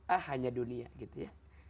ah hanya dunia gitu ya